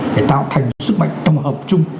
để tạo thành sức mạnh tổng hợp chung